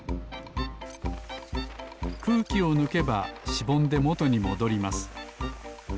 くうきをぬけばしぼんでもとにもどります。